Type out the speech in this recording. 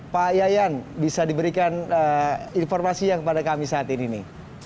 pak yayan bisa diberikan informasi yang kepada kami saat ini